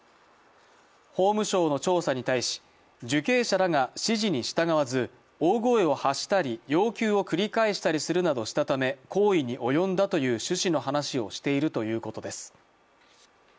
法務省の調査に対し受刑者らが指示に従わず、大声を発したり、要求を繰り返したりするなどしたため、行為に及んだという趣旨の話をしているということです。